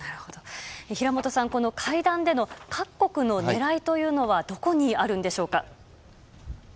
平本さん、会談での各国の狙いというのはどこにあるんでしょうか。